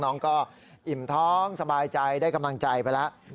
น้องก็อิ่มท้องสบายใจได้กำลังใจไปแล้ว